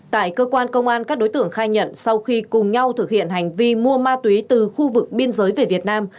tại cơ quan công an các đối tượng khai nhận sau khi cùng nhau thực hiện hành vi mua ma túy từ khu vực biên giới về việt nam